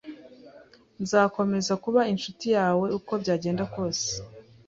Nzakomeza kuba inshuti yawe uko byagenda kose